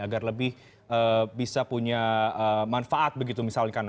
agar lebih bisa punya manfaat begitu misalkan